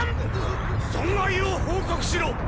損害を報告しろ！